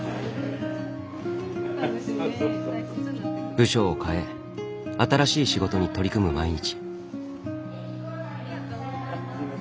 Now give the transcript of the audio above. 部署をかえ新しい仕事に取り組む毎日。